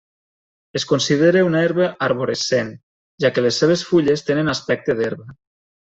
Es considera una herba arborescent, ja que les seves fulles tenen aspecte d'herba.